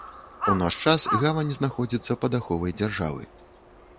У наш час гавань знаходзіцца пад аховай дзяржавы.